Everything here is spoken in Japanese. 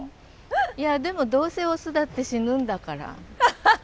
いやでもどうせオスだって死ぬんだから。